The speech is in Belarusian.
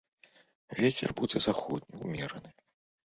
Вецер будзе заходні ўмераны.